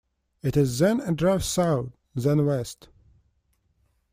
It is then a drive south, then west.